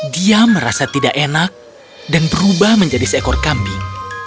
dia merasa tidak enak dan berubah menjadi seekor kambing